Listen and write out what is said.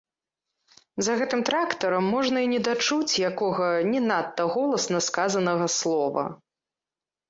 За гэтым трактарам можна і не дачуць якога, не надта голасна сказанага, слова.